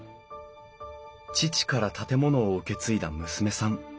父から建物を受け継いだ娘さん。